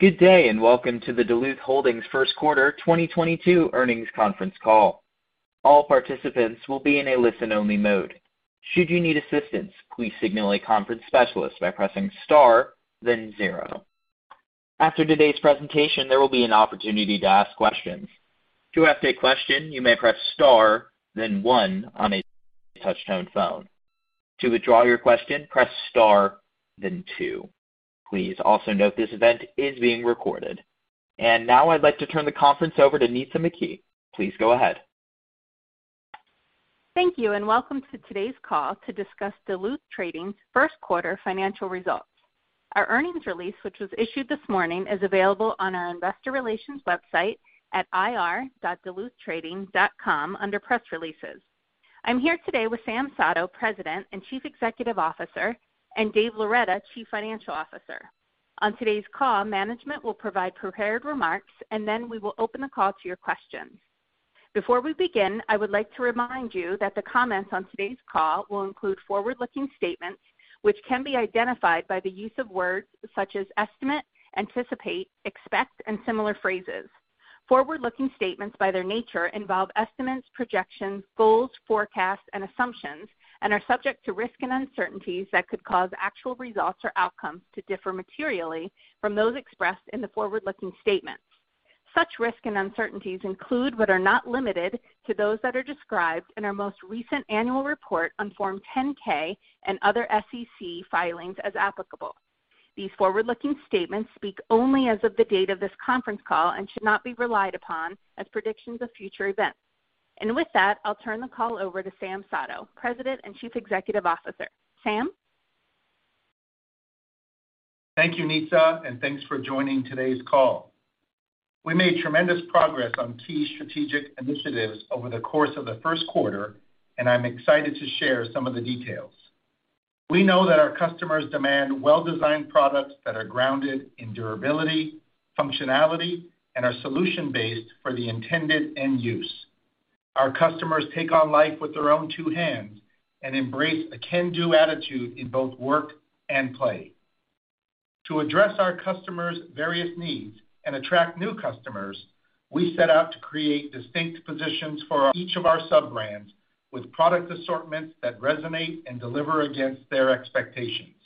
Good day, and welcome to the Duluth Holdings first quarter 2022 earnings conference call. All participants will be in a listen-only mode. Should you need assistance, please signal a conference specialist by pressing Star, then zero. After today's presentation, there will be an opportunity to ask questions. To ask a question, you may press Star, then one on a touch-tone phone. To withdraw your question, press Star, then two. Please also note this event is being recorded. Now I'd like to turn the conference over to Nitza McKee. Please go ahead. Thank you, and welcome to today's call to discuss Duluth Trading's first quarter financial results. Our earnings release, which was issued this morning, is available on our investor relations website at ir.duluthtrading.com under Press Releases. I'm here today with Sam Sato, President and Chief Executive Officer, and Dave Loretta, Chief Financial Officer. On today's call, management will provide prepared remarks, and then we will open the call to your questions. Before we begin, I would like to remind you that the comments on today's call will include forward-looking statements, which can be identified by the use of words such as estimate, anticipate, expect, and similar phrases. Forward-looking statements, by their nature, involve estimates, projections, goals, forecasts, and assumptions, and are subject to risk and uncertainties that could cause actual results or outcomes to differ materially from those expressed in the forward-looking statements. Such risk and uncertainties include, but are not limited to, those that are described in our most recent annual report on Form 10-K and other SEC filings as applicable. These forward-looking statements speak only as of the date of this conference call and should not be relied upon as predictions of future events. With that, I'll turn the call over to Sam Sato, President and Chief Executive Officer. Sam? Thank you, Nitza, and thanks for joining today's call. We made tremendous progress on key strategic initiatives over the course of the first quarter, and I'm excited to share some of the details. We know that our customers demand well-designed products that are grounded in durability, functionality, and are solution-based for the intended end use. Our customers take on life with their own two hands and embrace a can-do attitude in both work and play. To address our customers' various needs and attract new customers, we set out to create distinct positions for each of our sub-brands with product assortments that resonate and deliver against their expectations.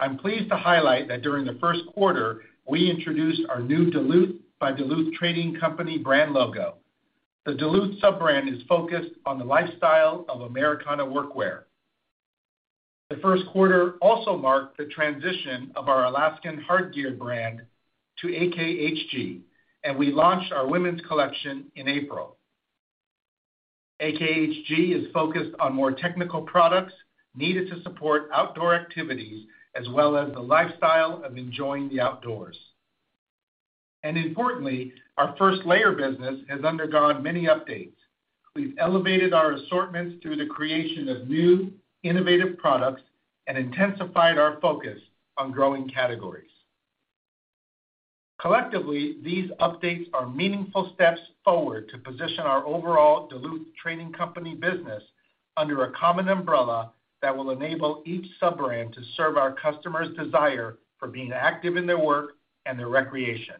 I'm pleased to highlight that during the first quarter, we introduced our new Duluth by Duluth Trading Company brand logo. The Duluth sub-brand is focused on the lifestyle of Americana workwear. The first quarter also marked the transition of our Alaskan Hardgear brand to AKHG, and we launched our women's collection in April. AKHG is focused on more technical products needed to support outdoor activities, as well as the lifestyle of enjoying the outdoors. Importantly, our first layer business has undergone many updates. We've elevated our assortments through the creation of new innovative products and intensified our focus on growing categories. Collectively, these updates are meaningful steps forward to position our overall Duluth Trading Company business under a common umbrella that will enable each sub-brand to serve our customers' desire for being active in their work and their recreation.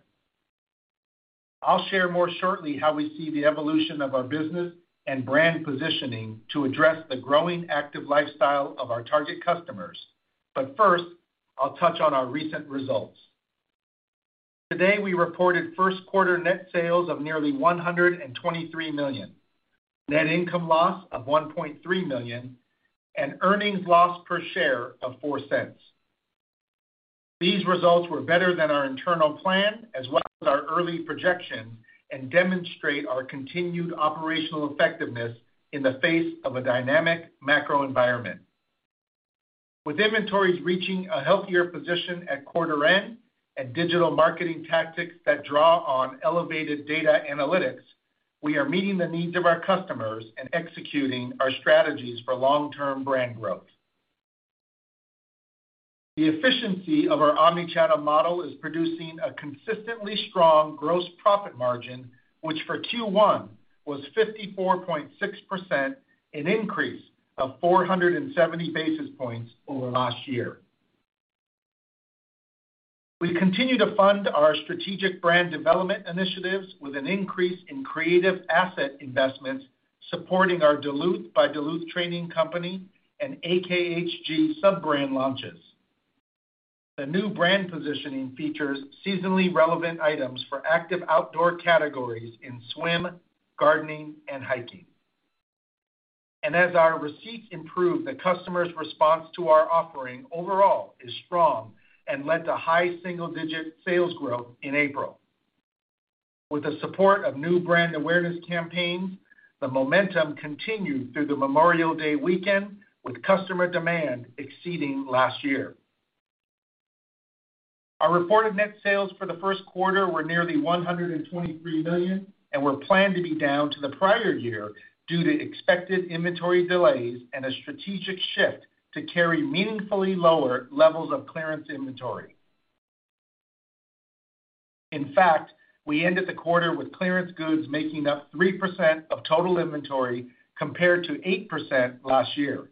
I'll share more shortly how we see the evolution of our business and brand positioning to address the growing active lifestyle of our target customers. First, I'll touch on our recent results. Today, we reported first quarter net sales of nearly $123 million, net income loss of $1.3 million, and earnings loss per share of $0.04. These results were better than our internal plan as well as our early projections and demonstrate our continued operational effectiveness in the face of a dynamic macro environment. With inventories reaching a healthier position at quarter end and digital marketing tactics that draw on elevated data analytics, we are meeting the needs of our customers and executing our strategies for long-term brand growth. The efficiency of our omni-channel model is producing a consistently strong gross profit margin, which for Q1 was 54.6%, an increase of 470 basis points over last year. We continue to fund our strategic brand development initiatives with an increase in creative asset investments supporting our Duluth by Duluth Trading Company and AKHG sub-brand launches. The new brand positioning features seasonally relevant items for active outdoor categories in swim, gardening, and hiking. As our receipts improve, the customer's response to our offering overall is strong and led to high single-digit sales growth in April. With the support of new brand awareness campaigns, the momentum continued through the Memorial Day weekend, with customer demand exceeding last year. Our reported net sales for the first quarter were nearly $123 million and were planned to be down to the prior year due to expected inventory delays and a strategic shift to carry meaningfully lower levels of clearance inventory. In fact, we ended the quarter with clearance goods making up 3% of total inventory compared to 8% last year.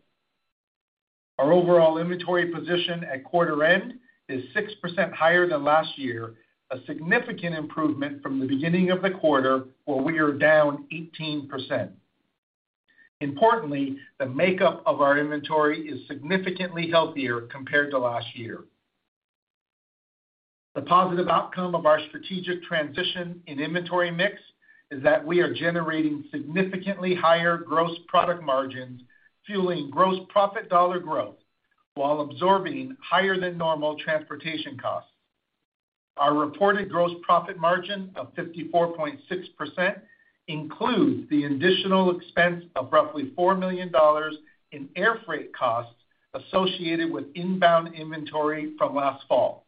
Our overall inventory position at quarter end is 6% higher than last year, a significant improvement from the beginning of the quarter where we are down 18%. Importantly, the makeup of our inventory is significantly healthier compared to last year. The positive outcome of our strategic transition in inventory mix is that we are generating significantly higher gross product margins, fueling gross profit dollar growth while absorbing higher than normal transportation costs. Our reported gross profit margin of 54.6% includes the additional expense of roughly $4 million in air freight costs associated with inbound inventory from last fall.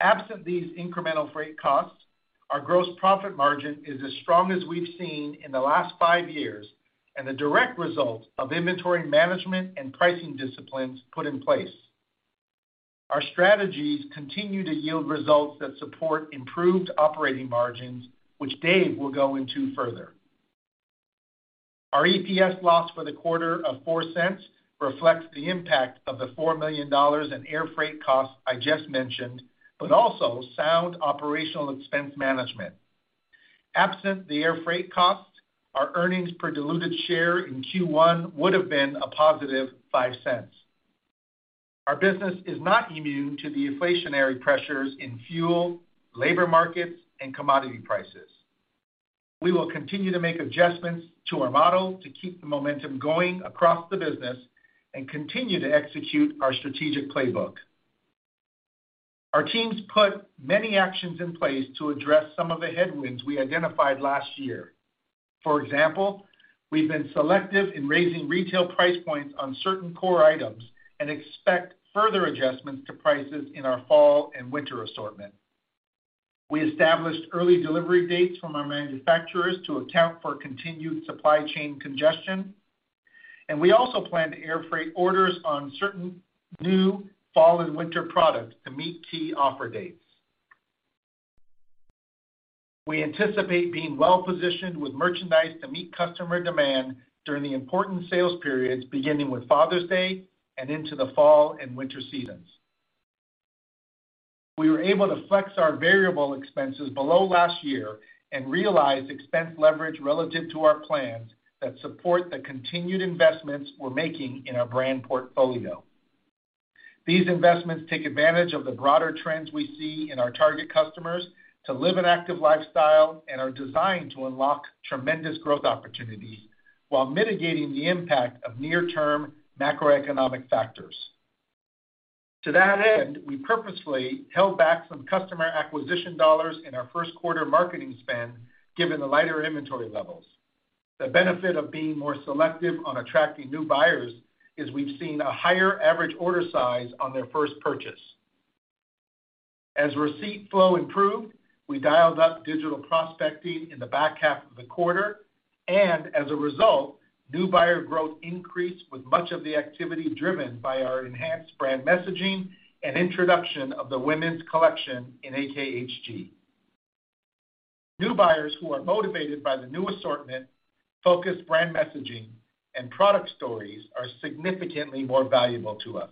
Absent these incremental freight costs, our gross profit margin is as strong as we've seen in the last five years and a direct result of inventory management and pricing disciplines put in place. Our strategies continue to yield results that support improved operating margins, which Dave will go into further. Our EPS loss for the quarter of $0.04 reflects the impact of the $4 million in air freight costs I just mentioned, but also sound operational expense management. Absent the air freight costs, our earnings per diluted share in Q1 would have been a positive $0.05. Our business is not immune to the inflationary pressures in fuel, labor markets, and commodity prices. We will continue to make adjustments to our model to keep the momentum going across the business and continue to execute our strategic playbook. Our teams put many actions in place to address some of the headwinds we identified last year. For example, we've been selective in raising retail price points on certain core items and expect further adjustments to prices in our fall and winter assortment. We established early delivery dates from our manufacturers to account for continued supply chain congestion, and we also plan to air freight orders on certain new fall and winter products to meet key offer dates. We anticipate being well-positioned with merchandise to meet customer demand during the important sales periods, beginning with Father's Day and into the fall and winter seasons. We were able to flex our variable expenses below last year and realize expense leverage relative to our plans that support the continued investments we're making in our brand portfolio. These investments take advantage of the broader trends we see in our target customers to live an active lifestyle and are designed to unlock tremendous growth opportunities while mitigating the impact of near-term macroeconomic factors. To that end, we purposefully held back some customer acquisition dollars in our first quarter marketing spend given the lighter inventory levels. The benefit of being more selective on attracting new buyers is we've seen a higher average order size on their first purchase. As receipt flow improved, we dialed up digital prospecting in the back half of the quarter, and as a result, new buyer growth increased with much of the activity driven by our enhanced brand messaging and introduction of the women's collection in AKHG. New buyers who are motivated by the new assortment, focused brand messaging, and product stories are significantly more valuable to us.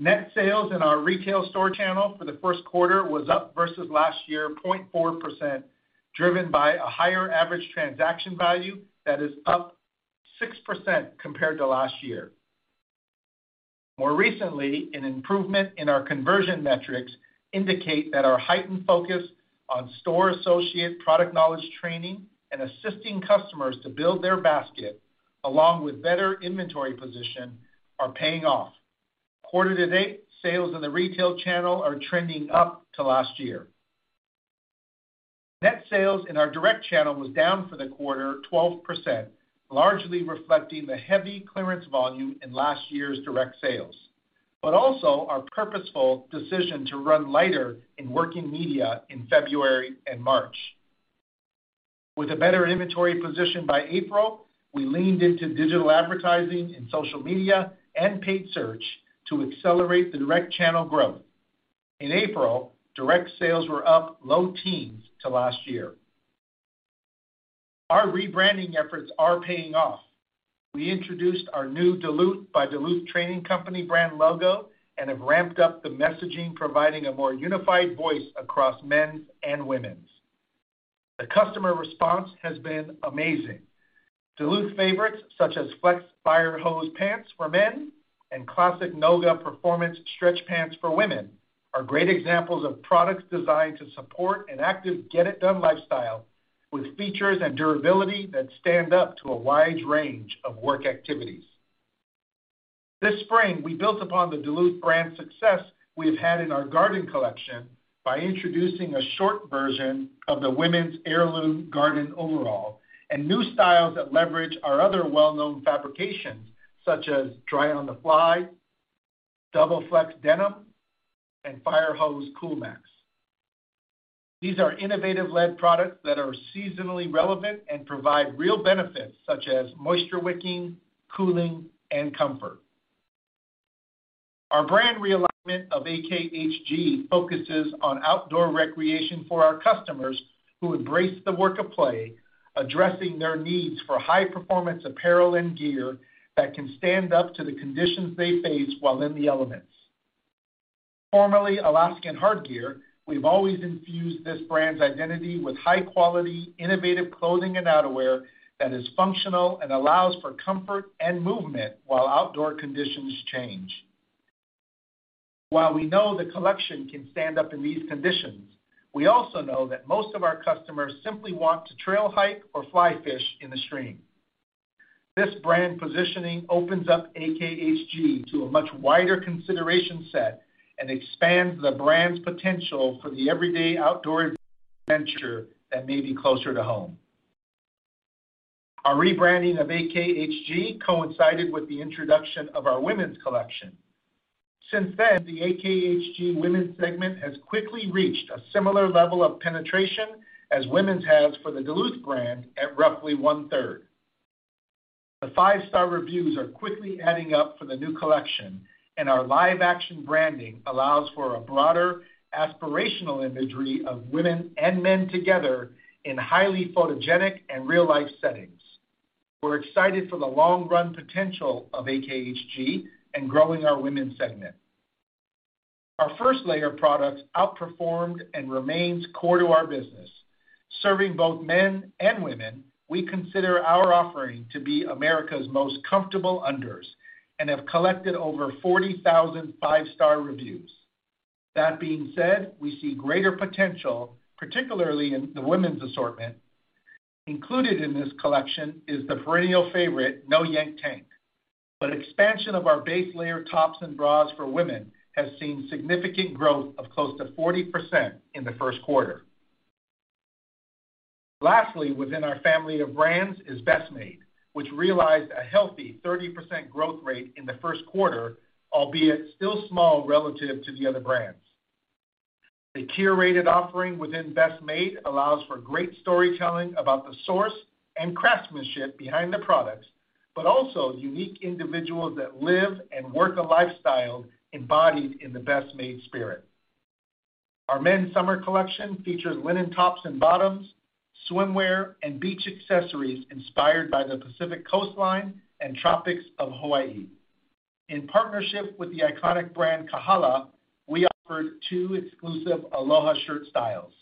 Net sales in our retail store channel for the first quarter was up versus last year 0.4%, driven by a higher average transaction value that is up 6% compared to last year. More recently, an improvement in our conversion metrics indicate that our heightened focus on store associate product knowledge training and assisting customers to build their basket, along with better inventory position, are paying off. Quarter to date, sales in the retail channel are trending up to last year. Net sales in our direct channel was down for the quarter 12%, largely reflecting the heavy clearance volume in last year's direct sales, but also our purposeful decision to run lighter in working media in February and March. With a better inventory position by April, we leaned into digital advertising and social media and paid search to accelerate the direct channel growth. In April, direct sales were up low teens% to last year. Our rebranding efforts are paying off. We introduced our new Duluth by Duluth Trading Company brand logo and have ramped up the messaging, providing a more unified voice across men's and women's. The customer response has been amazing. Duluth favorites such as DuluthFlex Fire Hose pants for men and classic Noga performance stretch pants for women are great examples of products designed to support an active, get-it-done lifestyle with features and durability that stand up to a wide range of work activities. This spring, we built upon the Duluth brand success we have had in our garden collection by introducing a short version of the women's heirloom garden overall and new styles that leverage our other well-known fabrications, such as Dry On The Fly, Double Flex Denim, and Fire Hose CoolMax. These are innovative lead products that are seasonally relevant and provide real benefits such as moisture-wicking, cooling, and comfort. Our brand realignment of AKHG focuses on outdoor recreation for our customers who embrace the work of play, addressing their needs for high performance apparel and gear that can stand up to the conditions they face while in the elements. Formerly Alaskan Hardgear, we've always infused this brand's identity with high quality, innovative clothing and outerwear that is functional and allows for comfort and movement while outdoor conditions change. While we know the collection can stand up in these conditions, we also know that most of our customers simply want to trail hike or fly-fish in a stream. This brand positioning opens up AKHG to a much wider consideration set and expands the brand's potential for the everyday outdoor adventure that may be closer to home. Our rebranding of AKHG coincided with the introduction of our women's collection. Since then, the AKHG women's segment has quickly reached a similar level of penetration as women's has for the Duluth brand at roughly 1/3. The five-star reviews are quickly adding up for the new collection, and our live action branding allows for a broader aspirational imagery of women and men together in highly photogenic and real-life settings. We're excited for the long run potential of AKHG in growing our women's segment. Our first layer products outperformed and remains core to our business. Serving both men and women, we consider our offering to be America's most comfortable unders and have collected over 40,000 five-star reviews. That being said, we see greater potential, particularly in the women's assortment. Included in this collection is the perennial favorite No Yank Tank. Expansion of our base layer tops and bras for women has seen significant growth of close to 40% in the first quarter. Lastly, within our family of brands is Best Made, which realized a healthy 30% growth rate in the first quarter, albeit still small relative to the other brands. The curated offering within Best Made allows for great storytelling about the source and craftsmanship behind the products, but also unique individuals that live and work a lifestyle embodied in the Best Made spirit. Our men's summer collection features linen tops and bottoms, swimwear, and beach accessories inspired by the Pacific coastline and tropics of Hawaii. In partnership with the iconic brand Kahala, we offered two exclusive Aloha shirt styles.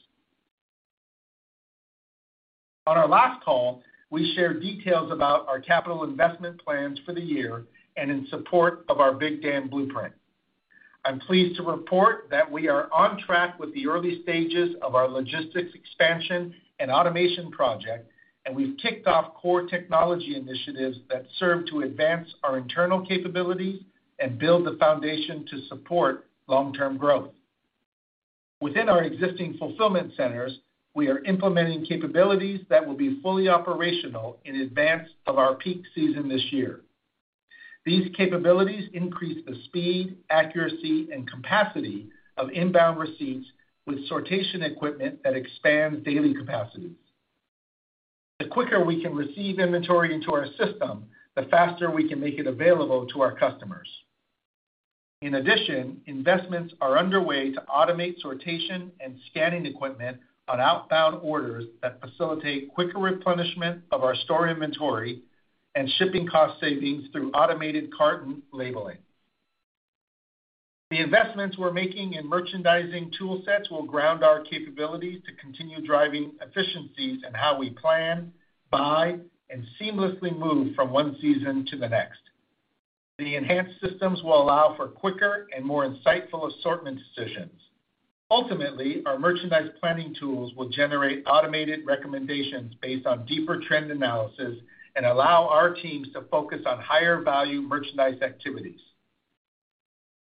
On our last call, we shared details about our capital investment plans for the year and in support of our Big Dam Blueprint. I'm pleased to report that we are on track with the early stages of our logistics expansion and automation project, and we've kicked off core technology initiatives that serve to advance our internal capabilities and build the foundation to support long-term growth. Within our existing fulfillment centers, we are implementing capabilities that will be fully operational in advance of our peak season this year. These capabilities increase the speed, accuracy, and capacity of inbound receipts with sortation equipment that expands daily capacities. The quicker we can receive inventory into our system, the faster we can make it available to our customers. In addition, investments are underway to automate sortation and scanning equipment on outbound orders that facilitate quicker replenishment of our store inventory and shipping cost savings through automated carton labeling. The investments we're making in merchandising tool sets will ground our capabilities to continue driving efficiencies in how we plan, buy, and seamlessly move from one season to the next. The enhanced systems will allow for quicker and more insightful assortment decisions. Ultimately, our merchandise planning tools will generate automated recommendations based on deeper trend analysis and allow our teams to focus on higher value merchandise activities.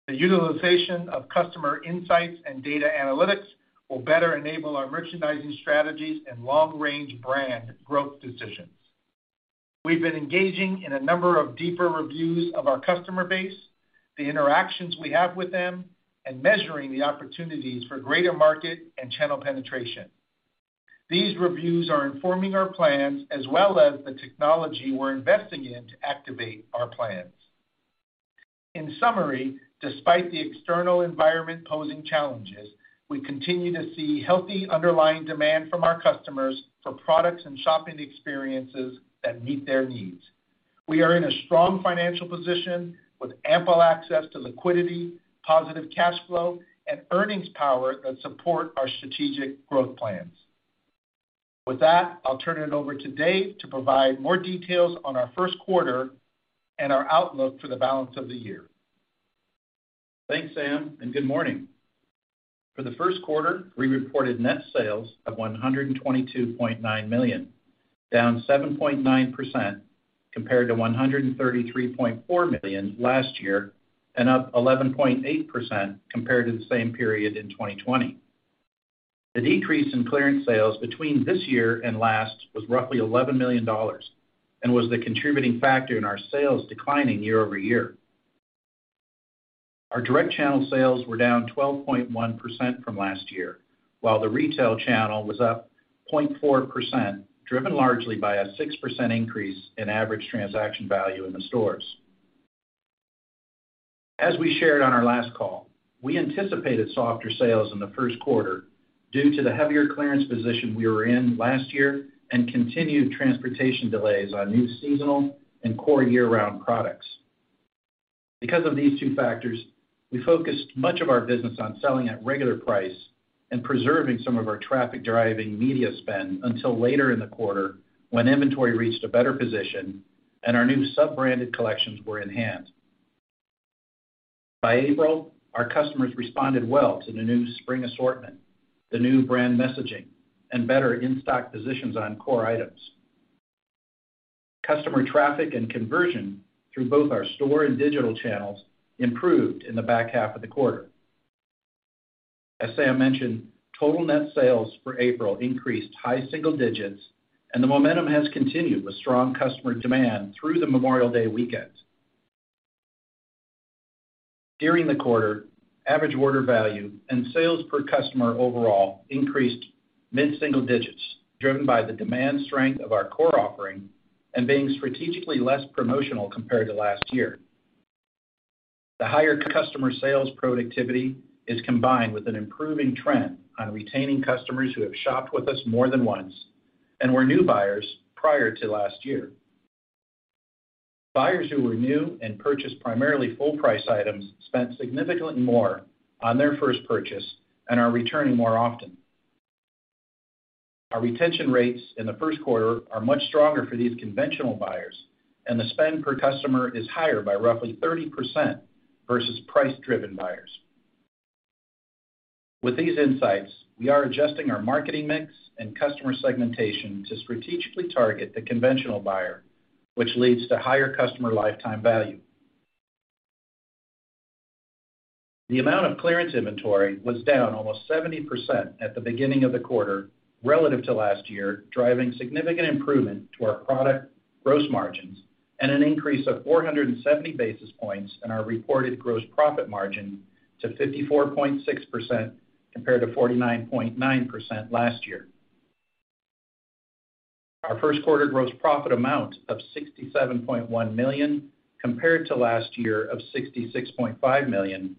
The utilization of customer insights and data analytics will better enable our merchandising strategies and long-range brand growth decisions. We've been engaging in a number of deeper reviews of our customer base, the interactions we have with them, and measuring the opportunities for greater market and channel penetration. These reviews are informing our plans as well as the technology we're investing in to activate our plans. In summary, despite the external environment posing challenges, we continue to see healthy underlying demand from our customers for products and shopping experiences that meet their needs. We are in a strong financial position with ample access to liquidity, positive cash flow, and earnings power that support our strategic growth plans. With that, I'll turn it over to Dave to provide more details on our first quarter and our outlook for the balance of the year. Thanks, Sam, and good morning. For the first quarter, we reported net sales of $122.9 million, down 7.9% compared to $133.4 million last year, and up 11.8% compared to the same period in 2020. The decrease in clearance sales between this year and last was roughly $11 million and was the contributing factor in our sales declining year-over-year. Our direct channel sales were down 12.1% from last year, while the retail channel was up 2.4%, driven largely by a 6% increase in average transaction value in the stores. As we shared on our last call, we anticipated softer sales in the first quarter due to the heavier clearance position we were in last year and continued transportation delays on new seasonal and core year-round products. Because of these two factors, we focused much of our business on selling at regular price and preserving some of our traffic-driving media spend until later in the quarter, when inventory reached a better position and our new sub-branded collections were in hand. By April, our customers responded well to the new spring assortment, the new brand messaging, and better in-stock positions on core items. Customer traffic and conversion through both our store and digital channels improved in the back half of the quarter. As Sam mentioned, total net sales for April increased high single digits, and the momentum has continued with strong customer demand through the Memorial Day weekend. During the quarter, average order value and sales per customer overall increased mid-single digits, driven by the demand strength of our core offering and being strategically less promotional compared to last year. The higher customer sales productivity is combined with an improving trend on retaining customers who have shopped with us more than once and were new buyers prior to last year. Buyers who were new and purchased primarily full price items spent significantly more on their first purchase and are returning more often. Our retention rates in the first quarter are much stronger for these conventional buyers, and the spend per customer is higher by roughly 30% versus price-driven buyers. With these insights, we are adjusting our marketing mix and customer segmentation to strategically target the conventional buyer, which leads to higher customer lifetime value. The amount of clearance inventory was down almost 70% at the beginning of the quarter relative to last year, driving significant improvement to our product gross margins and an increase of 470 basis points in our reported gross profit margin to 54.6% compared to 49.9% last year. Our first quarter gross profit amount of $67.1 million, compared to last year of $66.5 million,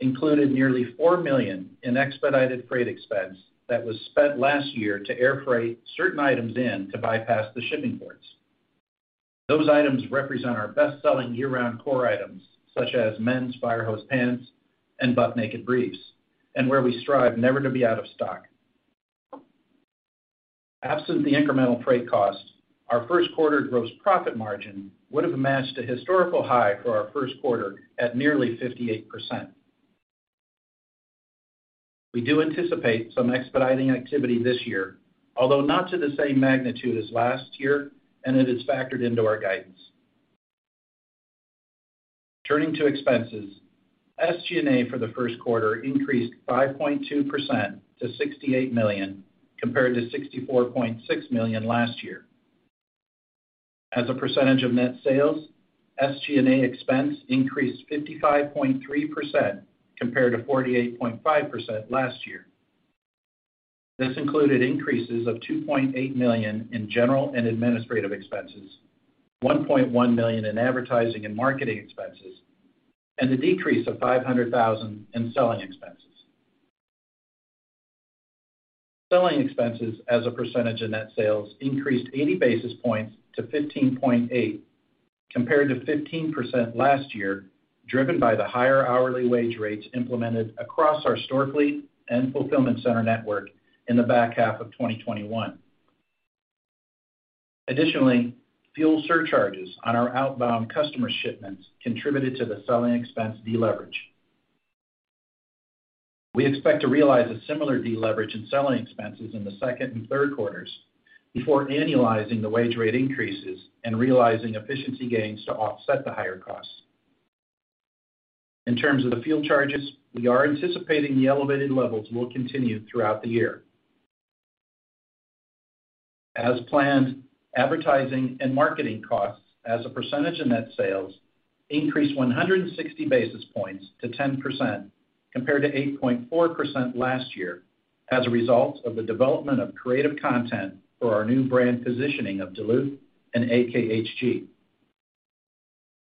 included nearly $4 million in expedited freight expense that was spent last year to air freight certain items into bypass the shipping ports. Those items represent our best-selling year-round core items, such as men's Fire Hose pants and Buck Naked briefs, and where we strive never to be out of stock. Absent the incremental freight costs, our first quarter gross profit margin would have matched a historical high for our first quarter at nearly 58%. We do anticipate some expediting activity this year, although not to the same magnitude as last year, and it is factored into our guidance. Turning to expenses. SG&A for the first quarter increased 5.2% to $68 million, compared to $64.6 million last year. As a percentage of net sales, SG&A expense increased to 55.3% compared to 48.5% last year. This included increases of $2.8 million in general and administrative expenses, $1.1 million in advertising and marketing expenses, and a decrease of $500,000 in selling expenses. Selling expenses as a percentage of net sales increased 80 basis points to 15.8%, compared to 15% last year, driven by the higher hourly wage rates implemented across our store fleet and fulfillment center network in the back half of 2021. Additionally, fuel surcharges on our outbound customer shipments contributed to the selling expense deleverage. We expect to realize a similar deleverage in selling expenses in the second and third quarters before annualizing the wage rate increases and realizing efficiency gains to offset the higher costs. In terms of the fuel charges, we are anticipating the elevated levels will continue throughout the year. As planned, advertising and marketing costs as a percentage of net sales increased 160 basis points to 10% compared to 8.4% last year as a result of the development of creative content for our new brand positioning of Duluth and AKHG.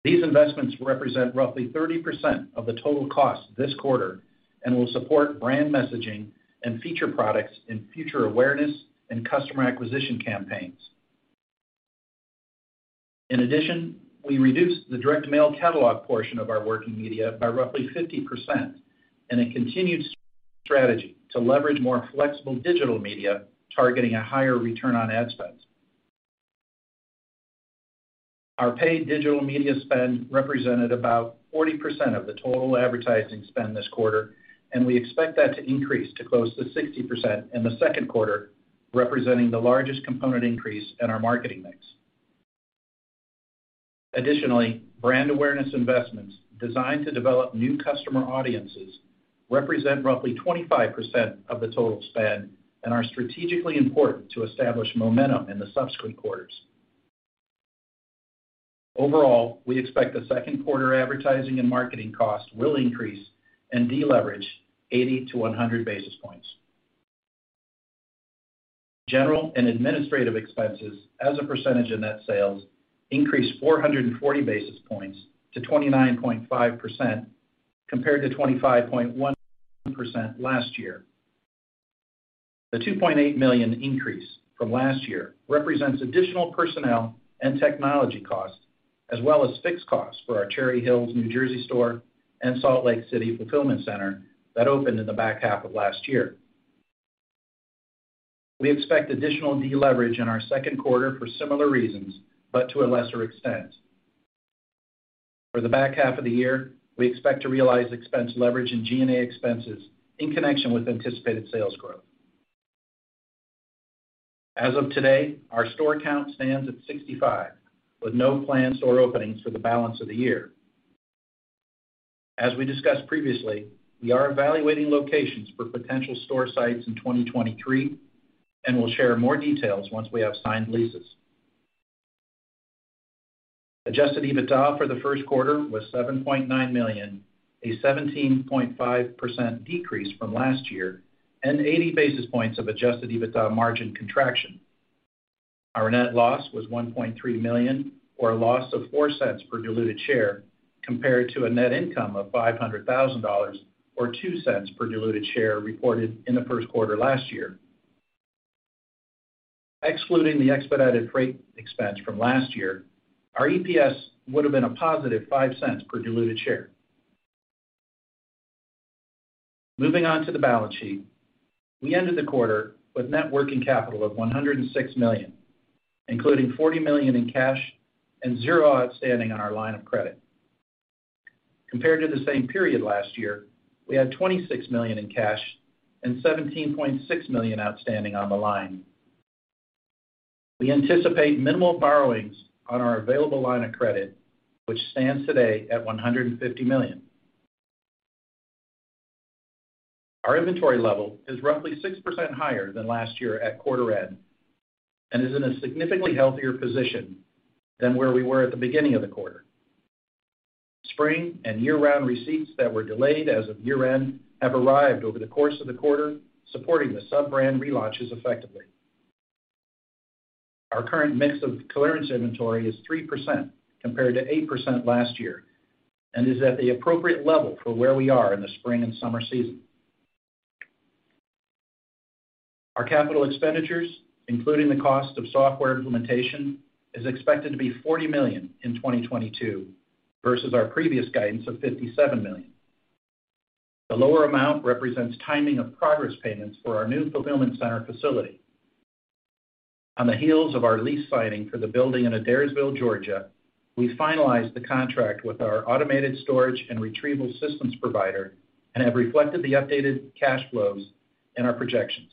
These investments represent roughly 30% of the total cost this quarter and will support brand messaging and feature products in future awareness and customer acquisition campaigns. In addition, we reduced the direct mail catalog portion of our working media by roughly 50% in a continued strategy to leverage more flexible digital media targeting a higher return on ad spend. Our paid digital media spend represented about 40% of the total advertising spend this quarter, and we expect that to increase to close to 60% in the second quarter, representing the largest component increase in our marketing mix. Additionally, brand awareness investments designed to develop new customer audiences represent roughly 25% of the total spend and are strategically important to establish momentum in the subsequent quarters. Overall, we expect the second quarter advertising and marketing costs will increase and deleverage 80-100 basis points. General and administrative expenses as a percentage of net sales increased 440 basis points to 29.5% compared to 25.1% last year. The $2.8 million increase from last year represents additional personnel and technology costs as well as fixed costs for our Cherry Hill, New Jersey store and Salt Lake City fulfillment center that opened in the back half of last year. We expect additional deleverage in our second quarter for similar reasons, but to a lesser extent. For the back half of the year, we expect to realize expense leverage in G&A expenses in connection with anticipated sales growth. As of today, our store count stands at 65, with no planned store openings for the balance of the year. As we discussed previously, we are evaluating locations for potential store sites in 2023 and will share more details once we have signed leases. Adjusted EBITDA for the first quarter was $7.9 million, a 17.5% decrease from last year and 80 basis points of adjusted EBITDA margin contraction. Our net loss was $1.3 million or a loss of $0.04 per diluted share compared to a net income of $500,000 or $0.02 per diluted share reported in the first quarter last year. Excluding the expedited freight expense from last year, our EPS would have been a positive $0.05 per diluted share. Moving on to the balance sheet. We ended the quarter with net working capital of $106 million, including $40 million in cash and $0 outstanding on our line of credit. Compared to the same period last year, we had $26 million in cash and $17.6 million outstanding on the line. We anticipate minimal borrowings on our available line of credit, which stands today at $150 million. Our inventory level is roughly 6% higher than last year at quarter end and is in a significantly healthier position than where we were at the beginning of the quarter. Spring and year-round receipts that were delayed as of year-end have arrived over the course of the quarter, supporting the sub-brand relaunches effectively. Our current mix of clearance inventory is 3% compared to 8% last year and is at the appropriate level for where we are in the spring and summer season. Our capital expenditures, including the cost of software implementation, is expected to be $40 million in 2022 versus our previous guidance of $57 million. The lower amount represents timing of progress payments for our new fulfillment center facility. On the heels of our lease signing for the building in Adairsville, Georgia, we finalized the contract with our automated storage and retrieval systems provider and have reflected the updated cash flows in our projections.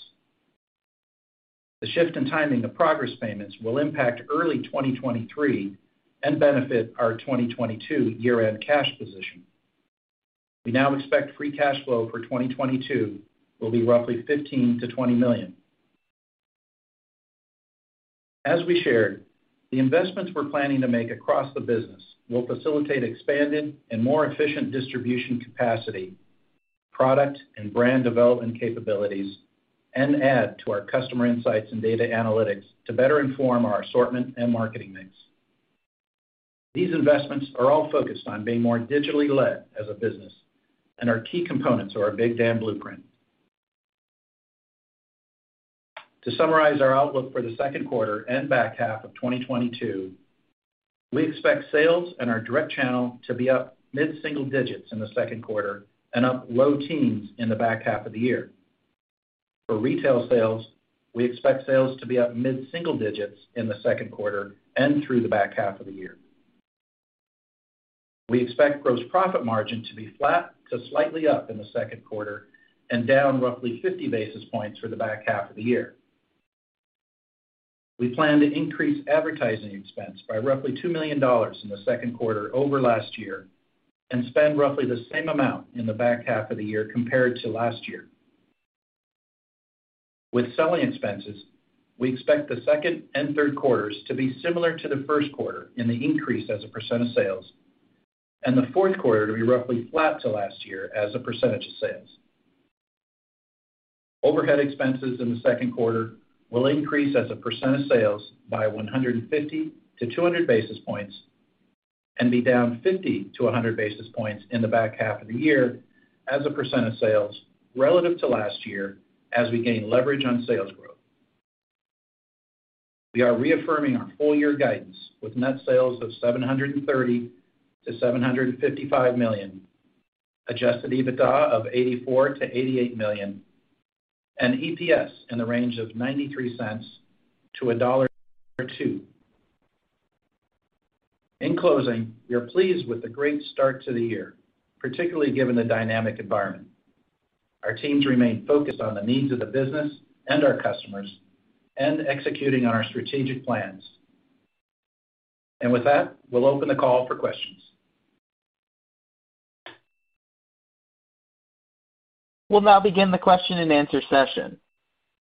The shift in timing of progress payments will impact early 2023 and benefit our 2022 year-end cash position. We now expect free cash flow for 2022 will be roughly $15 million-$20 million. As we shared, the investments we're planning to make across the business will facilitate expanded and more efficient distribution capacity, product and brand development capabilities, and add to our customer insights and data analytics to better inform our assortment and marketing mix. These investments are all focused on being more digitally led as a business and are key components of our Big Dam Blueprint. To summarize our outlook for the second quarter and back half of 2022, we expect sales in our direct channel to be up mid-single digits in the second quarter and up low teens in the back half of the year. For retail sales, we expect sales to be up mid-single digits in the second quarter and through the back half of the year. We expect gross profit margin to be flat to slightly up in the second quarter and down roughly 50 basis points for the back half of the year. We plan to increase advertising expense by roughly $2 million in the second quarter over last year and spend roughly the same amount in the back half of the year compared to last year. With selling expenses, we expect the second and third quarters to be similar to the first quarter in the increase as a percent of sales and the fourth quarter to be roughly flat to last year as a percentage of sales. Overhead expenses in the second quarter will increase as a percent of sales by 150-200 basis points and be down 50-100 basis points in the back half of the year as a percent of sales relative to last year as we gain leverage on sales growth. We are reaffirming our full year guidance with net sales of $730-$755 million, adjusted EBITDA of $84-$88 million, and EPS in the range of $0.93-$1.02. In closing, we are pleased with the great start to the year, particularly given the dynamic environment. Our teams remain focused on the needs of the business and our customers and executing on our strategic plans. With that, we'll open the call for questions. We'll now begin the question and answer session.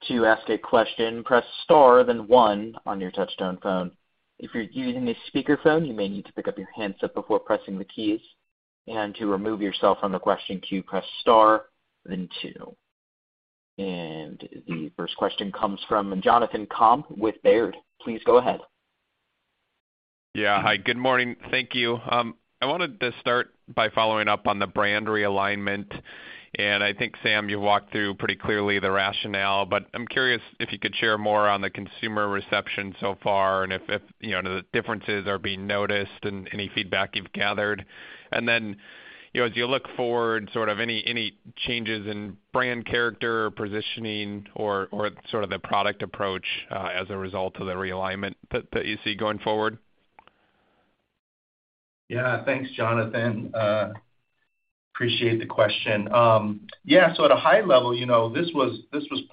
To ask a question, press star, then one on your touchtone phone. If you're using a speakerphone, you may need to pick up your handset before pressing the keys. To remove yourself from the question queue, press star then two. The first question comes from Jonathan Komp with Baird. Please go ahead. Yeah. Hi, good morning. Thank you. I wanted to start by following up on the brand realignment, and I think, Sam, you walked through pretty clearly the rationale. But I'm curious if you could share more on the consumer reception so far, and if you know, the differences are being noticed and any feedback you've gathered. Then, you know, as you look forward, sort of any changes in brand character or positioning or sort of the product approach, uh, as a result of the realignment that you see going forward? Yeah. Thanks, Jonathan. Appreciate the question. Yeah, so at a high level, you know, this was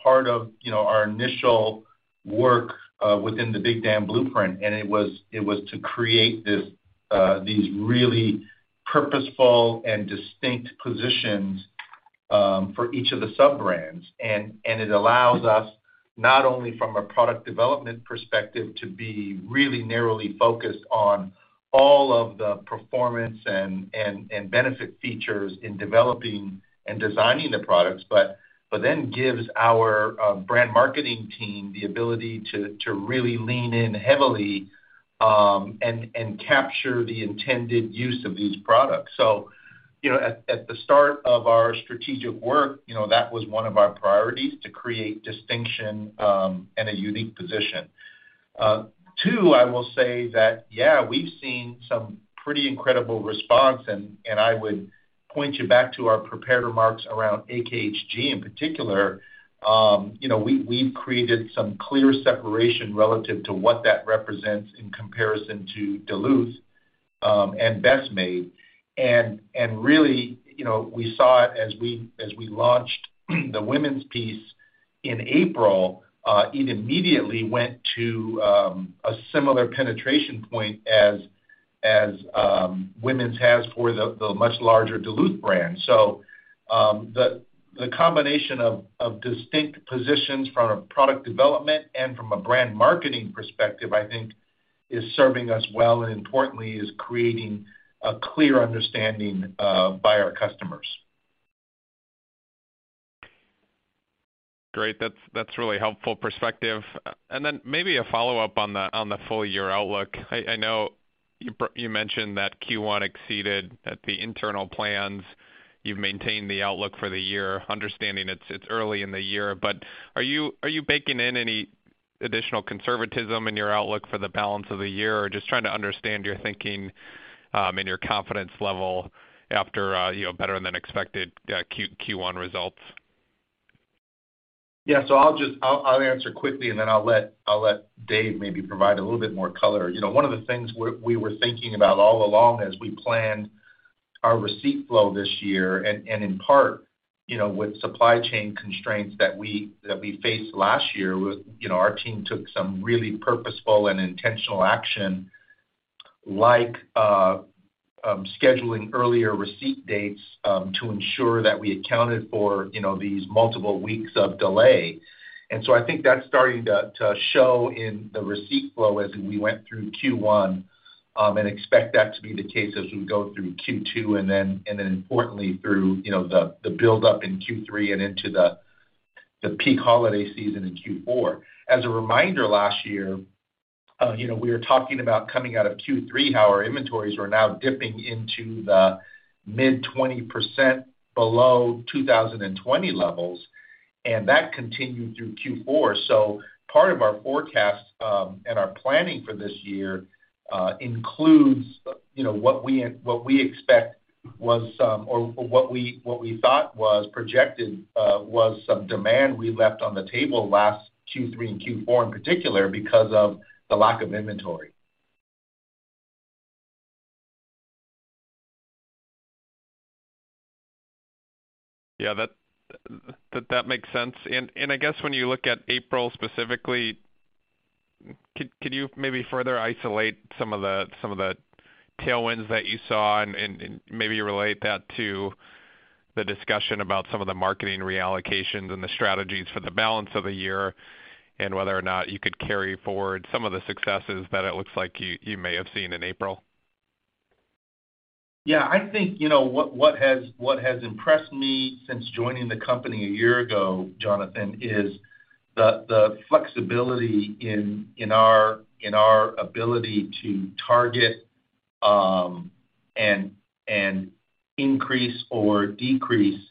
part of, you know, our initial work within the Big Dam Blueprint, and it was to create these really purposeful and distinct positions for each of the sub-brands. It allows us, not only from a product development perspective, to be really narrowly focused on all of the performance and benefit features in developing and designing the products, but then gives our brand marketing team the ability to really lean in heavily and capture the intended use of these products. You know, at the start of our strategic work, you know, that was one of our priorities, to create distinction and a unique position. I will say that, yeah, we've seen some pretty incredible response, and I would point you back to our prepared remarks around AKHG in particular. You know, we've created some clear separation relative to what that represents in comparison to Duluth and Best Made. Really, you know, we saw it as we launched the women's piece in April, it immediately went to a similar penetration point as women's has for the much larger Duluth brand. The combination of distinct positions from a product development and from a brand marketing perspective, I think is serving us well, and importantly, is creating a clear understanding by our customers. Great. That's really helpful perspective. Maybe a follow-up on the full year outlook. I know you mentioned that Q1 exceeded the internal plans. You've maintained the outlook for the year, understanding it's early in the year. Are you baking in any additional conservatism in your outlook for the balance of the year? Just trying to understand your thinking and your confidence level after you know, better than expected Q1 results. Yeah. I'll answer quickly, and then I'll let Dave maybe provide a little bit more color. You know, one of the things we were thinking about all along as we planned our receipt flow this year, and in part, you know, with supply chain constraints that we faced last year, you know, our team took some really purposeful and intentional action, like, scheduling earlier receipt dates, to ensure that we accounted for, you know, these multiple weeks of delay. I think that's starting to show in the receipt flow as we went through Q1, and expect that to be the case as we go through Q2, and then importantly, through, you know, the build-up in Q3 and into the peak holiday season in Q4. As a reminder, last year, you know, we were talking about coming out of Q3, how our inventories were now dipping into the mid-20% below 2020 levels, and that continued through Q4. Part of our forecast and our planning for this year includes, you know, what we expect was some or what we thought was projected was some demand we left on the table last Q3 and Q4 in particular because of the lack of inventory. Yeah. That makes sense. I guess when you look at April specifically, could you maybe further isolate some of the tailwinds that you saw and maybe relate that to the discussion about some of the marketing reallocations and the strategies for the balance of the year, and whether or not you could carry forward some of the successes that it looks like you may have seen in April? Yeah. I think, you know, what has impressed me since joining the company a year ago, Jonathan, is the flexibility in our ability to target and increase or decrease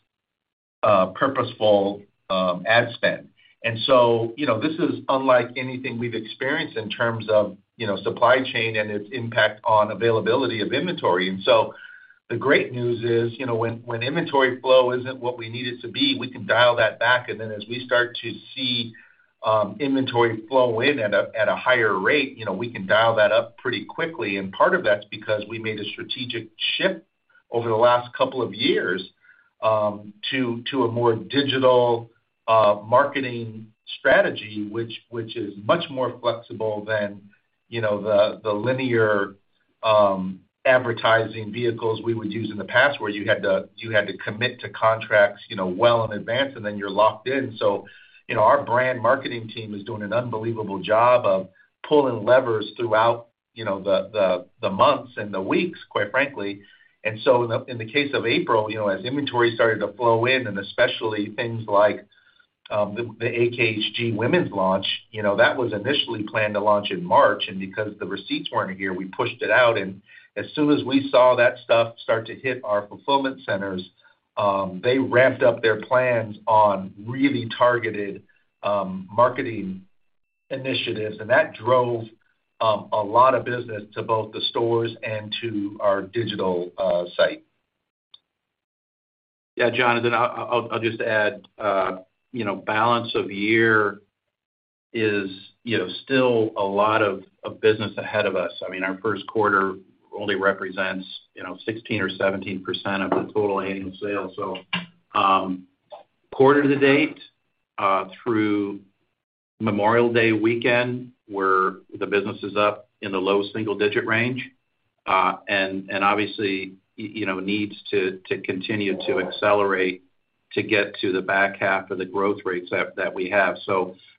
purposeful ad spend. You know, this is unlike anything we've experienced in terms of, you know, supply chain and its impact on availability of inventory. The great news is, you know, when inventory flow isn't what we need it to be, we can dial that back. As we start to see inventory flow in at a higher rate, you know, we can dial that up pretty quickly. Part of that's because we made a strategic shift over the last couple of years to a more digital marketing strategy, which is much more flexible than, you know, the linear advertising vehicles we would use in the past, where you had to commit to contracts, you know, well in advance, and then you're locked in. You know, our brand marketing team is doing an unbelievable job of pulling levers throughout, you know, the months and the weeks, quite frankly. In the case of April, you know, as inventory started to flow in, and especially things like the AKHG women's launch, you know, that was initially planned to launch in March, and because the receipts weren't here, we pushed it out. As soon as we saw that stuff start to hit our fulfillment centers, they ramped up their plans on really targeted marketing initiatives, and that drove a lot of business to both the stores and to our digital site. Yeah. Jonathan, I'll just add, you know, balance of year is, you know, still a lot of business ahead of us. I mean, our first quarter only represents, you know, 16% or 17% of the total annual sales. Quarter to date, through Memorial Day weekend, where the business is up in the low single digit range, and obviously, you know, needs to continue to accelerate to get to the back half of the growth rates that we have.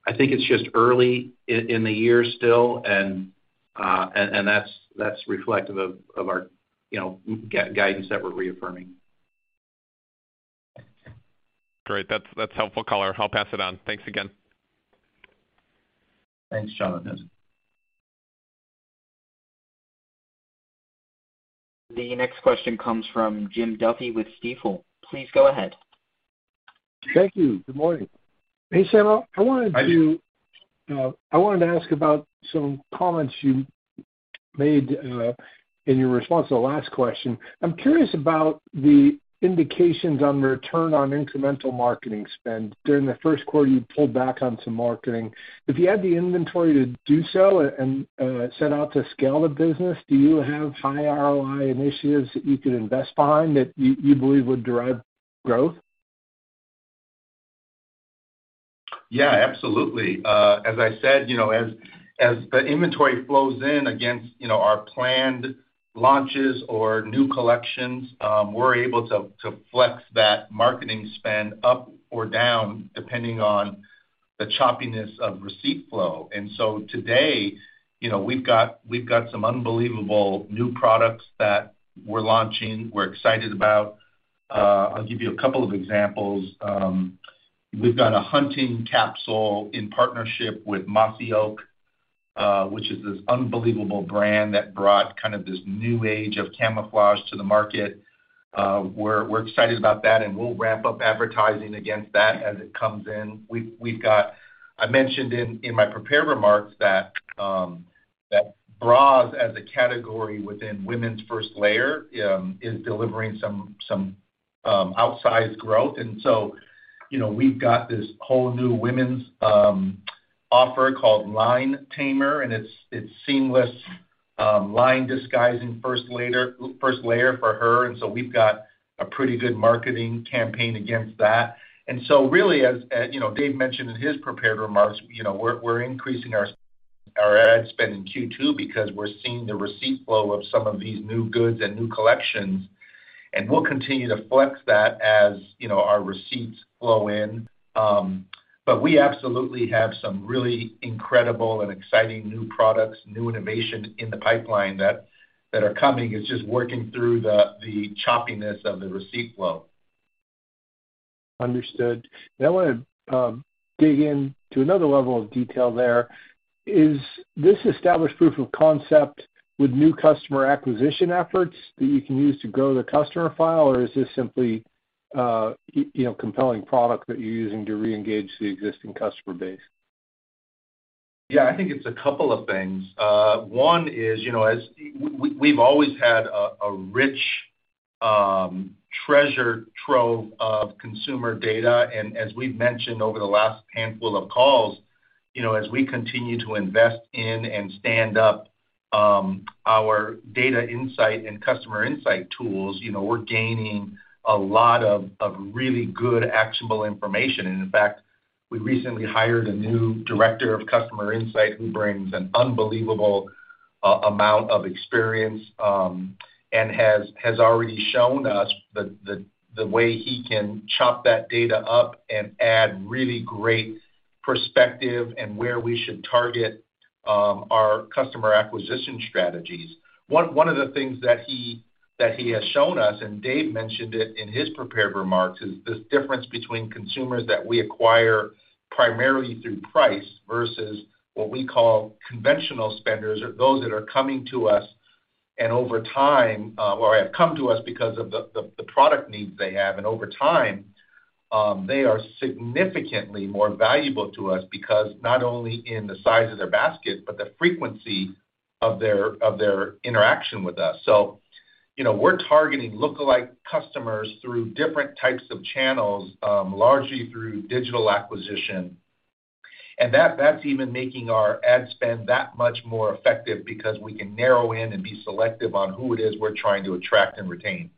I think it's just early in the year still, and that's reflective of our, you know, guidance that we're reaffirming. Great. That's helpful color. I'll pass it on. Thanks again. Thanks, Jonathan. The next question comes from Jim Duffy with Stifel. Please go ahead. Thank you. Good morning. Hey, Sam. I wanted to ask about some comments you made in your response to the last question. I'm curious about the indications on return on incremental marketing spend. During the first quarter, you pulled back on some marketing. If you had the inventory to do so and set out to scale the business, do you have high ROI initiatives that you believe would derive growth? Yeah, absolutely. As I said, you know, as the inventory flows in against, you know, our planned launches or new collections, we're able to flex that marketing spend up or down depending on the choppiness of receipt flow. Today, you know, we've got some unbelievable new products that we're launching, we're excited about. I'll give you a couple of examples. We've got a hunting capsule in partnership with Mossy Oak, which is this unbelievable brand that brought kind of this new age of camouflage to the market. We're excited about that, and we'll ramp up advertising against that as it comes in. We've got. I mentioned in my prepared remarks that bras as a category within women's first layer is delivering some outsized growth. You know, we've got this whole new women's offer called Line Tamer, and it's seamless line disguising first layer for her, and we've got a pretty good marketing campaign against that. Really, as you know, Dave mentioned in his prepared remarks, you know, we're increasing our ad spend in Q2 because we're seeing the receipt flow of some of these new goods and new collections, and we'll continue to flex that as you know, our receipts flow in. But we absolutely have some really incredible and exciting new products, new innovation in the pipeline that are coming. It's just working through the choppiness of the receipt flow. Understood. Now I wanna dig in to another level of detail there. Is this established proof of concept with new customer acquisition efforts that you can use to grow the customer file, or is this simply you know, compelling product that you're using to reengage the existing customer base? Yeah. I think it's a couple of things. One is, you know, we've always had a rich treasure trove of consumer data. As we've mentioned over the last handful of calls, you know, as we continue to invest in and stand up our data insight and customer insight tools, you know, we're gaining a lot of really good actionable information. In fact, we recently hired a new director of customer insight who brings an unbelievable amount of experience and has already shown us the way he can chop that data up and add really great perspective and where we should target our customer acquisition strategies. One of the things that he has shown us, and Dave mentioned it in his prepared remarks, is this difference between consumers that we acquire primarily through price versus what we call conventional spenders or those that are coming to us, and over time, or have come to us because of the product needs they have. Over time, they are significantly more valuable to us because not only in the size of their basket, but the frequency of their interaction with us. You know, we're targeting lookalike customers through different types of channels, largely through digital acquisition. That's even making our ad spend that much more effective because we can narrow in and be selective on who it is we're trying to attract and retain.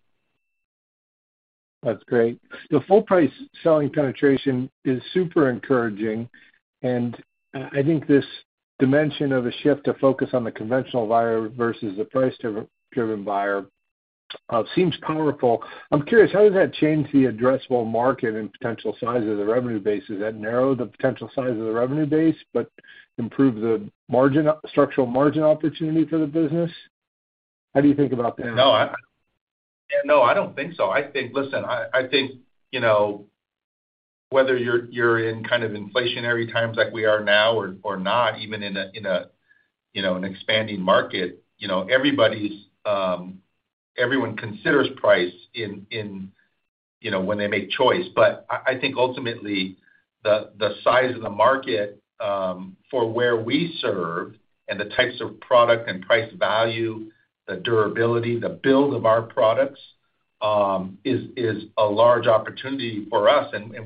That's great. The full price selling penetration is super encouraging, and I think this dimension of a shift to focus on the conventional buyer versus the price-driven buyer seems powerful. I'm curious, how does that change the addressable market and potential size of the revenue base? Does that narrow the potential size of the revenue base, but improve the margin, structural margin opportunity for the business? How do you think about that? No. Yeah, no, I don't think so. Listen, I think, you know, whether you're in kind of inflationary times like we are now or not, even in an expanding market, you know, everyone considers price in, you know, when they make choice. I think ultimately, the size of the market for where we serve and the types of product and price value, the durability, the build of our products is a large opportunity for us, and you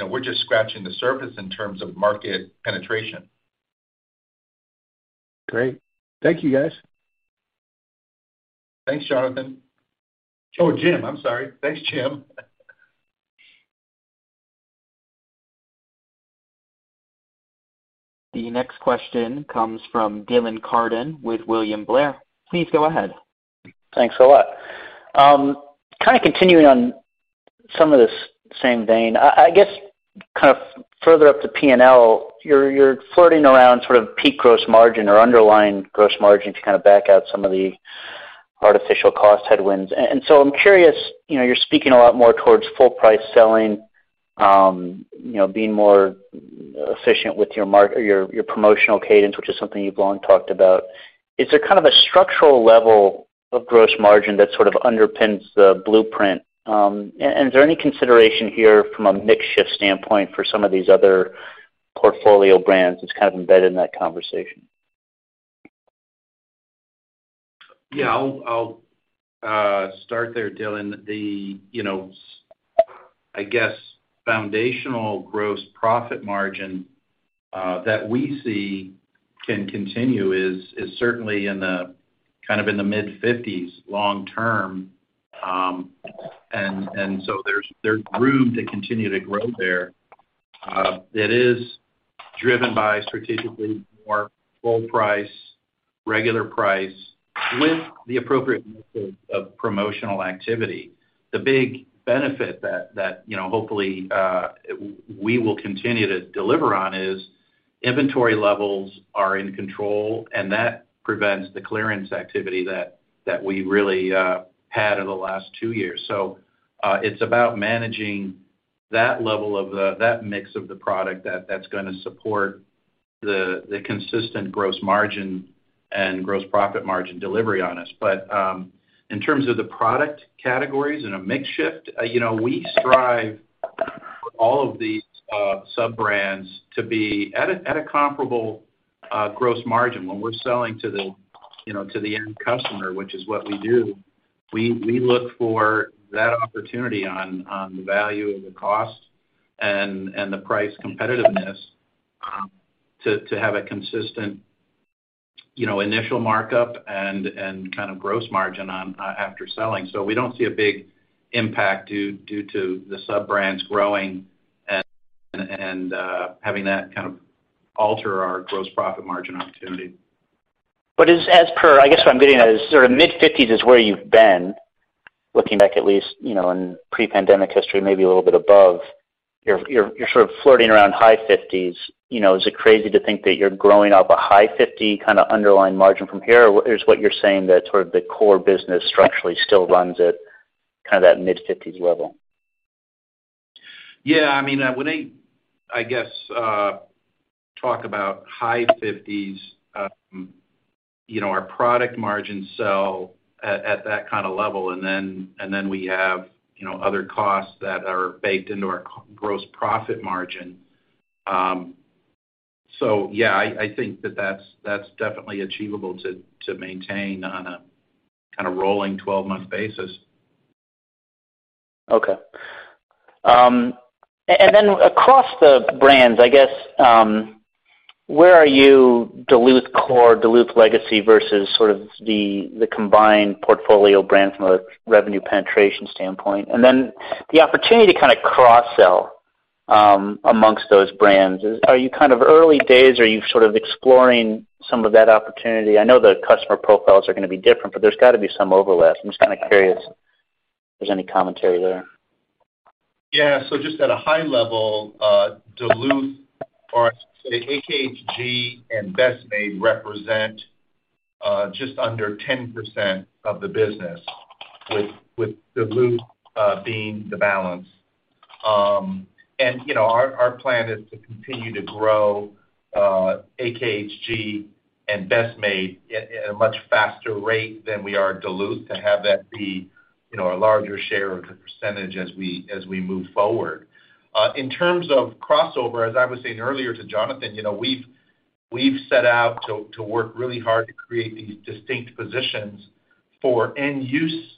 know, we're just scratching the surface in terms of market penetration. Great. Thank you, guys. Thanks, Jonathan. Oh, Jim. I'm sorry. Thanks, Jim. The next question comes from Dylan Carden with William Blair. Please go ahead. Thanks a lot. Kind of continuing on some of this same vein, I guess, kind of further up the P&L, you're flirting around sort of peak gross margin or underlying gross margin to kind of back out some of the artificial cost headwinds. I'm curious, you know, you're speaking a lot more towards full price selling, you know, being more efficient with your promotional cadence, which is something you've long talked about. Is there kind of a structural level of gross margin that sort of underpins the blueprint? Is there any consideration here from a mix shift standpoint for some of these other portfolio brands that's kind of embedded in that conversation? Yeah. I'll start there, Dylan. The you know I guess foundational gross profit margin that we see can continue is certainly kind of in the mid-fifties long term. And so there's room to continue to grow there. It is driven by strategically more full price regular price with the appropriate mix of promotional activity. The big benefit that you know hopefully we will continue to deliver on is inventory levels are in control, and that prevents the clearance activity that we really had over the last two years. It's about managing that level of that mix of the product that's gonna support the consistent gross margin and gross profit margin delivery on us. In terms of the product categories in a mix shift, you know, we strive for all of these sub-brands to be at a comparable gross margin. When we're selling to the, you know, to the end customer, which is what we do, we look for that opportunity on the value of the cost and the price competitiveness to have a consistent, you know, initial markup and kind of gross margin on after selling. We don't see a big impact due to the sub-brands growing and having that kind of alter our gross profit margin opportunity. I guess what I'm getting at is sort of mid-50s% is where you've been, looking back at least, you know, in pre-pandemic history, maybe a little bit above. You're sort of flirting around high 50s%. You know, is it crazy to think that you're growing up a high 50% kind of underlying margin from here? Or is what you're saying that sort of the core business structurally still runs at kind of that mid-50s% level? Yeah. I mean, when I guess talk about high 50s%, you know, our product margins sell at that kind of level, and then we have, you know, other costs that are baked into our gross profit margin. So yeah, I think that's definitely achievable to maintain on a kind of rolling twelve-month basis. Okay. Across the brands, I guess, where are you Duluth core, Duluth legacy versus sort of the combined portfolio brands from a revenue penetration standpoint? The opportunity to kind of cross-sell among those brands, are you kind of early days? Are you sort of exploring some of that opportunity? I know the customer profiles are gonna be different, but there's got to be some overlap. I'm just kind of curious if there's any commentary there. Yeah. Just at a high level, Duluth or I should say AKHG and Best Made represent just under 10% of the business, with Duluth being the balance. You know, our plan is to continue to grow AKHG and Best Made at a much faster rate than we are Duluth to have that be a larger share of the percentage as we move forward. In terms of crossover, as I was saying earlier to Jonathan, you know, we've set out to work really hard to create these distinct positions for end use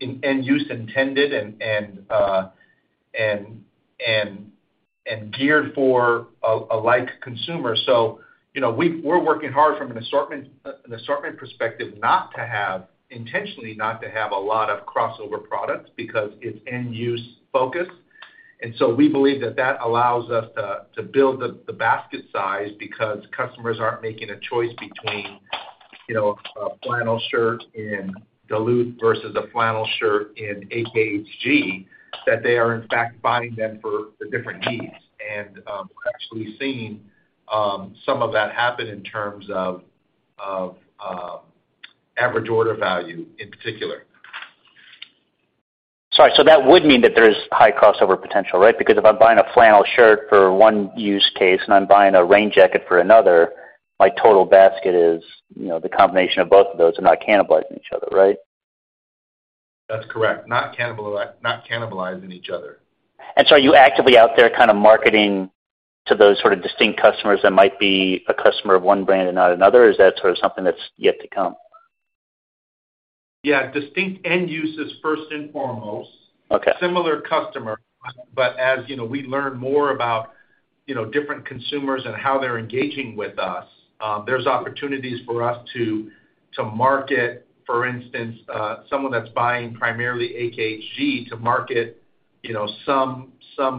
intended and. Geared for a like consumer. You know, we're working hard from an assortment perspective intentionally not to have a lot of crossover products because it's end-use focused. We believe that allows us to build the basket size because customers aren't making a choice between, you know, a flannel shirt in Duluth versus a flannel shirt in AKHG, that they are in fact buying them for different needs. We're actually seeing some of that happen in terms of average order value in particular. Sorry. That would mean that there's high crossover potential, right? Because if I'm buying a flannel shirt for one use case, and I'm buying a rain jacket for another, my total basket is, you know, the combination of both of those and not cannibalizing each other, right? That's correct. Not cannibalizing each other. Are you actively out there kind of marketing to those sort of distinct customers that might be a customer of one brand and not another, or is that sort of something that's yet to come? Yeah. Distinct end use is first and foremost. Okay. Similar customer. As you know, we learn more about, you know, different consumers and how they're engaging with us, there's opportunities for us to market, for instance, someone that's buying primarily AKHG to market, you know, some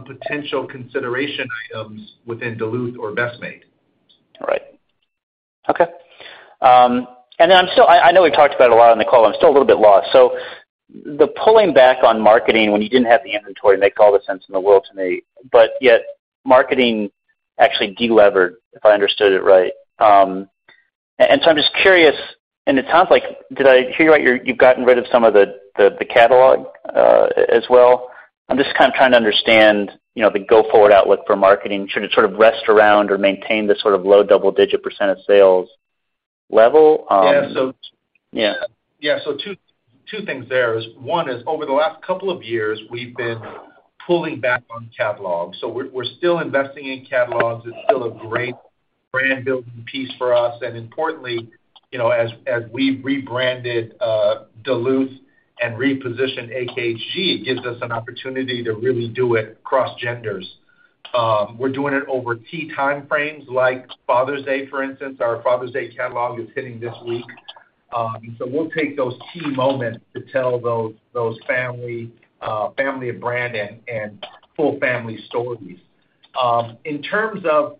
potential consideration items within Duluth or Best Made. I know we've talked about it a lot on the call. I'm still a little bit lost. The pulling back on marketing when you didn't have the inventory makes all the sense in the world to me. Yet marketing actually delevered, if I understood it right. I'm just curious, and it sounds like, did I hear you right? You've gotten rid of some of the catalog as well. I'm just kind of trying to understand, you know, the go-forward outlook for marketing. Should it sort of rest around or maintain the sort of low double-digit % of sales level? Yeah. Yeah. Yeah. Two things there is, one is over the last couple of years, we've been pulling back on catalogs. We're still investing in catalogs. It's still a great brand building piece for us. Importantly, you know, as we've rebranded Duluth and repositioned AKHG, it gives us an opportunity to really do it cross genders. We're doing it over key time frames like Father's Day, for instance. Our Father's Day catalog is hitting this week. We'll take those key moments to tell those family of brand and full family stories. In terms of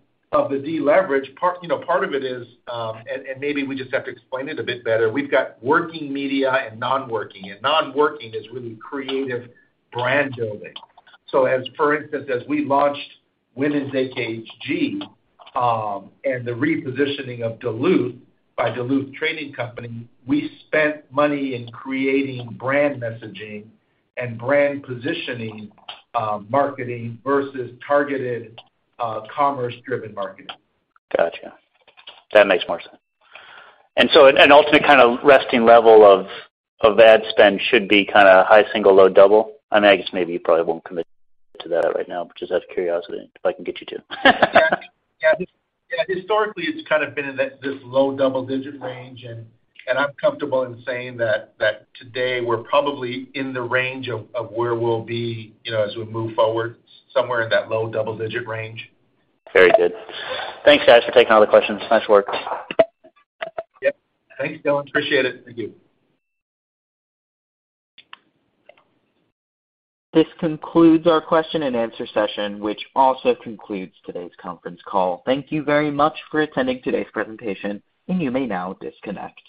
the deleverage part, you know, part of it is, and maybe we just have to explain it a bit better. We've got working media and non-working, and non-working is really creative brand building. For instance, as we launched women's AKHG and the repositioning of Duluth by Duluth Trading Company, we spent money on creating brand messaging and brand positioning, marketing versus targeted commerce-driven marketing. Gotcha. That makes more sense. An ultimate kind of resting level of ad spend should be kinda high single, low double. I mean, I guess maybe you probably won't commit to that right now, but just out of curiosity, if I can get you to. Yeah. Historically, it's kind of been in this low double-digit range, and I'm comfortable in saying that today we're probably in the range of where we'll be, you know, as we move forward, somewhere in that low double-digit range. Very good. Thanks, guys, for taking all the questions. Nice work. Yeah. Thanks, Dylan. Appreciate it. Thank you. This concludes our question and answer session, which also concludes today's conference call. Thank you very much for attending today's presentation, and you may now disconnect.